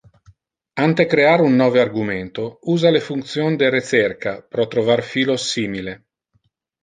Ante crear un nove argumento, usa le function de recerca pro trovar filos simile.